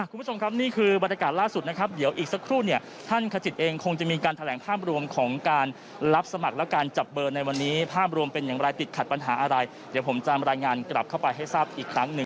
คุณผู้ชมครับนี่คือบรรยากาศล่าสุดนะครับเดี๋ยวอีกสักครู่เนี่ยท่านขจิตเองคงจะมีการแถลงภาพรวมของการรับสมัครและการจับเบอร์ในวันนี้ภาพรวมเป็นอย่างไรติดขัดปัญหาอะไรเดี๋ยวผมจะรายงานกลับเข้าไปให้ทราบอีกครั้งหนึ่ง